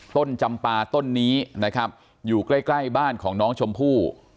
จำปาต้นนี้นะครับอยู่ใกล้ใกล้บ้านของน้องชมพู่